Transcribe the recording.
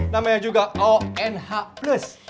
namanya juga o n h plus